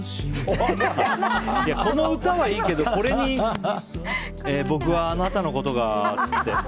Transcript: この歌はいいけど、これに僕はあなたのことがって。